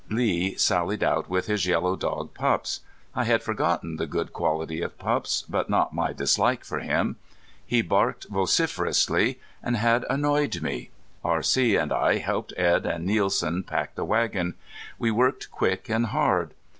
Lee sallied out with his yellow dog Pups. I had forgotten the good quality of Pups, but not my dislike for him. He barked vociferously, and that annoyed me. R.C. and I helped Edd and Nielsen pack the wagon. We worked quick and hard.